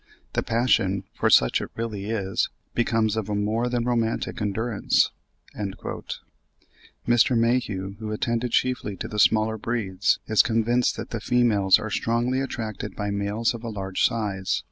The passion, for such it really is, becomes of a more than romantic endurance." Mr. Mayhew, who attended chiefly to the smaller breeds, is convinced that the females are strongly attracted by males of a large size.